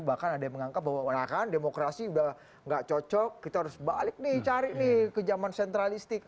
bahkan ada yang menganggap bahwa kan demokrasi udah gak cocok kita harus balik nih cari nih ke zaman sentralistik